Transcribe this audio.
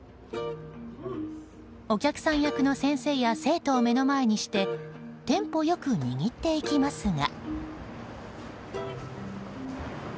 お客さん役の先生や生徒を目の前にしてテンポ良く握っていきますが。